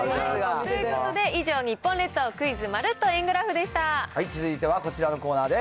ということで、以上、日本列続いてはこちらのコーナーです。